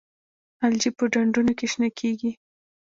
الجی په ډنډونو کې شنه کیږي